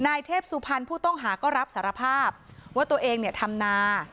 นายเทพสุพรรณผู้ต้องหาก็รับสารภาพว่าตัวเองเนี่ยทำนา